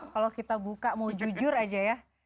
kalau kita buka mau jujur aja ya